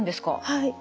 はい。